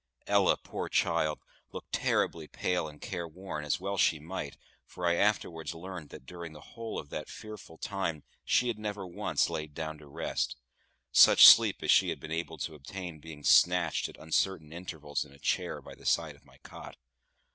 Ella, poor child! looked terribly pale and careworn, as well she might, for I afterwards learned that during the whole of that fearful time she had never once lain down to rest; such sleep as she had been able to obtain being snatched at uncertain intervals in a chair by the side of my cot.